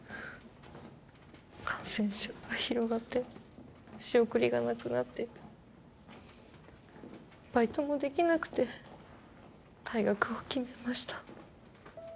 感染症が広がって仕送りがなくなってバイトもできなくて退学を決めました